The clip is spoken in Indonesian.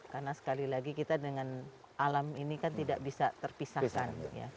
karena sekali lagi kita dengan alam ini kan tidak bisa terpisahkan ya